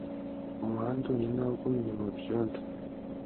Umuhanda wonyine wagumye mu byondo